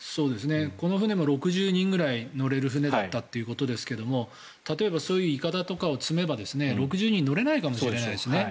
この船も６０人ぐらい乗れる船だったということですが例えば、そういういかだとか積めば６０人乗れないかもしれないですね。